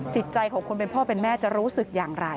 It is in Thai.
จิตใจของคนเป็นพ่อเป็นแม่จะรู้สึกอย่างไร